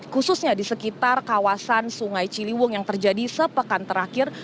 khususnya di sekitar kawasan sungai ciliwung yang terjadi sepekan terakhir